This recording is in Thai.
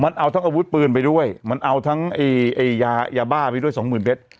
มันเอาทั้งอาวุธปืนไปด้วยมันเอาทั้งยาบ้าไปด้วยสองหมื่นเมตร